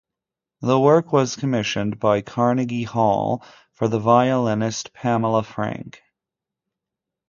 The work was commissioned by Carnegie Hall for the violinist Pamela Frank.